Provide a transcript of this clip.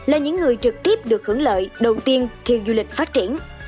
là những người trực tiếp được hưởng lợi đầu tiên khi du lịch phát triển